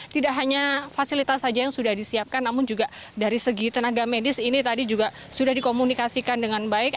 tidak hanya fasilitas saja yang sudah disiapkan namun juga dari segi tenaga medis ini tadi juga sudah dikomunikasikan dengan baik